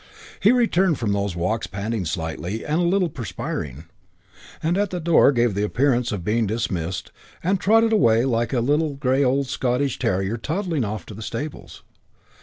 He returned from those walks panting slightly and a little perspiring, and at the door gave the appearance of being dismissed, and trotted away rather like a little grey old Scotch terrier toddling off to the stables.